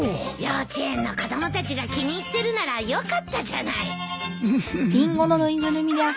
幼稚園の子供たちが気に入ってるならよかったじゃない。